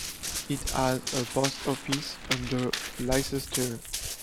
It has a post-office under Leicester.